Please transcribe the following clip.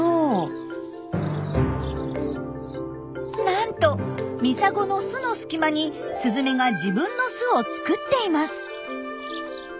なんとミサゴの巣の隙間にスズメが自分の巣を作っています。